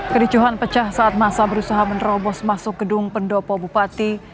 kericuhan pecah saat masa berusaha menerobos masuk gedung pendopo bupati